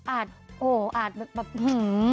อาจโหออาจแบบหืม